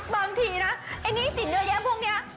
บางทีนะไอนหนี้สิ่งเหนือแย้งพวกนี้